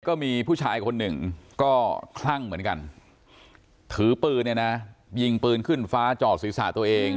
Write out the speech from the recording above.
ก็มีผู้ชายคนหนึ่งก็คลั่งเหมือนกันถือปืนเนี่ยนะยิงปืนขึ้นฟ้าจอดศีรษะตัวเอง